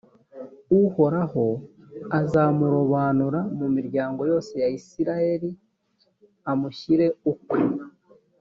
uhoraho azamurobanura mu miryango yose ya israheli amushyire ukwe,